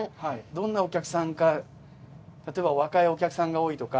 どんなお客さんか例えば若いお客さんが多いとか。